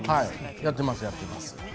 やってます、やってます。